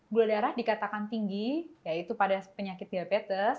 gula darah dikatakan tinggi yaitu pada penyakit diabetes